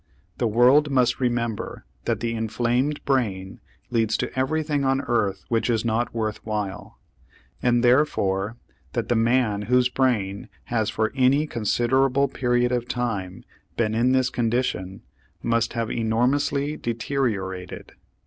The world must remember that the inflamed brain leads to everything on earth which is not worth while, and therefore that the man whose brain has for any considerable period of time been in this condition must have enormously deteriorated.